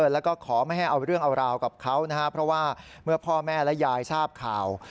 แล้วก็ขอไม่ให้เอาเรื่องเอาราวกับเขานะครับเพราะว่าเมื่อพ่อแม่และยายทราบข่าว